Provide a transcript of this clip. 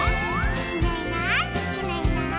「いないいないいないいない」